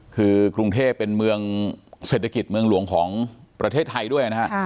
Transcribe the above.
คือกรุงเทพเป็นเมืองเศรษฐกิจเมืองหลวงของประเทศไทยด้วยนะฮะ